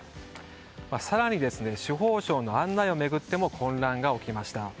更に、司法省の案内を巡っても混乱が起きました。